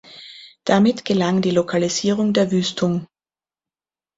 Damit gelang die Lokalisierung der Wüstung.